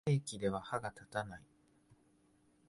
この兵器では歯が立たない